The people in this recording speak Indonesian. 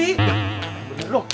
ya udah dong